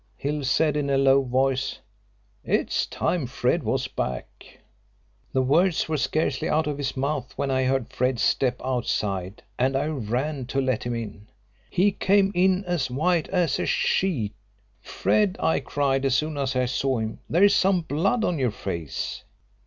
Hill said in a low voice: 'It's time Fred was back.' The words were scarcely out of his mouth when I heard Fred's step outside, and I ran to let him in. He came in as white as a sheet. 'Fred,' I cried as soon as I saw him, 'there's some blood on your face.'